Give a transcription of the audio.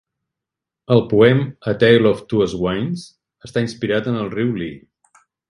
El poem "A Tale of Two Swannes" està inspirat en el riu Lee.